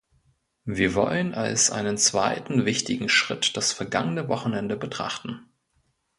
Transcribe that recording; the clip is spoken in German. Wir wollen als einen zweiten wichtigen Schritt das vergangene Wochenende betrachten.